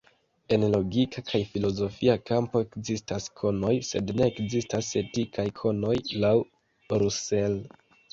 En logika kaj filozofia kampo ekzistas konoj, sed ne ekzistas etikaj konoj laŭ Russell.